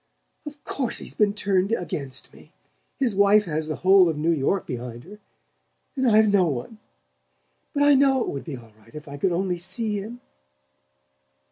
"Of course he's been turned against me. His wife has the whole of New York behind her, and I've no one; but I know it would be all right if I could only see him."